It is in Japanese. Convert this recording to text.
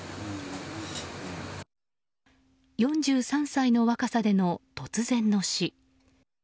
４３歳の若さでの突然の死。